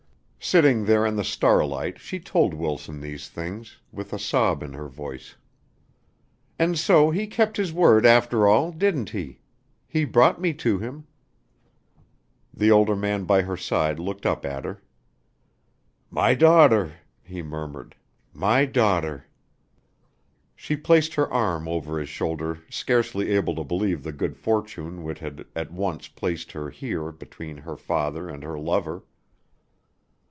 Sitting there in the starlight she told Wilson these things, with a sob in her voice. "And so he kept his word after all didn't he? He brought me to him." The older man by her side looked up at her. "My daughter," he murmured. "My daughter." She placed her arm over his shoulder scarcely able to believe the good fortune which had at once placed her here between her father and her lover.